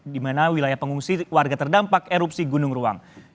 di mana wilayah pengungsi warga terdampak erupsi gunung ruang